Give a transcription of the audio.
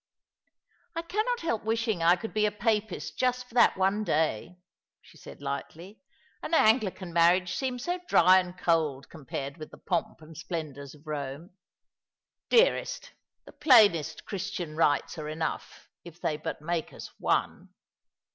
" I can't help wishing I could be a Papist just for that one day," she said lightly. "An Anglican marriage seems so dry and cold compared with the pomps and splendours of Rome." " Dearest, the plainest Christian rites are enough, if they but make us one."